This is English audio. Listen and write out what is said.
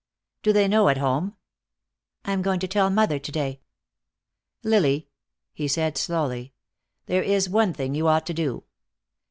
"Do they know at home?" "I am going to tell mother to day." "Lily," he said, slowly, "there is one thing you ought to do.